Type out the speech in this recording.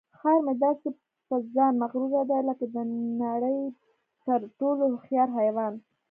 خر مې داسې په ځان مغروره دی لکه د نړۍ تر ټولو هوښیار حیوان.